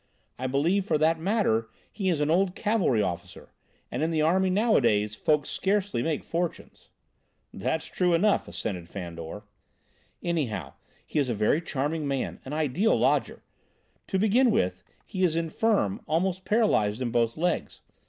I believe for that matter he is an old cavalry officer, and, in the army nowadays, folks scarcely make fortunes." "That's true enough," assented Fandor. "Anyhow he is a very charming man, an ideal lodger. To begin with, he is infirm, almost paralysed in both legs.